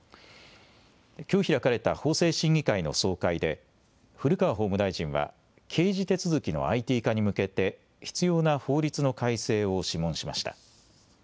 きょう開かれた法制審議会の総会で古川法務大臣は刑事手続きのＩＴ化に向けて必要な法律の改正を諮問しました。